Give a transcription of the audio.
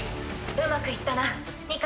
うまくいったなニカ。